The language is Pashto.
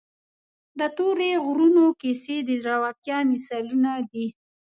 د تورې غرونو کیسې د زړورتیا مثالونه دي.